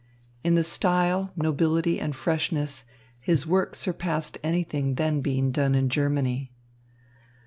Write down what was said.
In style, nobility and freshness, his work surpassed anything then being done in Germany.